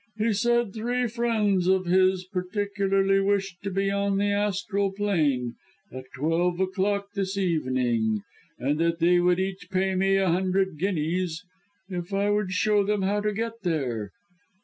"He said three friends of his particularly wished to be on the Astral Plane, at twelve o'clock this evening, and that they would each pay me a hundred guineas, if I would show them how to get there.